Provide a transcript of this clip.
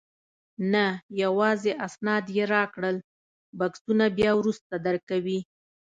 نه، یوازې اسناد یې راکړل، بکسونه بیا وروسته درکوي.